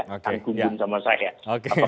dan gundung sama saya